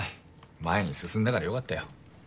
前に進んだから良かったよ。